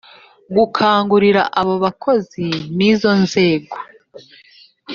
Gukangurira abo bakozi n izo nzego